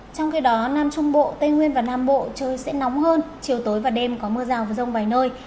trong khi đó nam trung bộ tây nguyên và nam bộ trời sẽ nóng hơn chiều tối và đêm có mưa rào và rông vài nơi